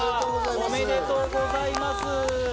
おめでとうございます！